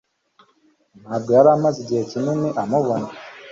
Ntabwo yari amaze igihe kinini amubona.